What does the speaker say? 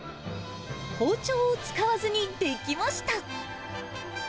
包丁を使わずに出来ました。